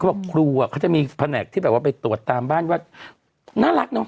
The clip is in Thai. เขาบอกครูเขาจะมีแผนกที่ไปตรวจตามบ้านว่าน่ารักเนอะ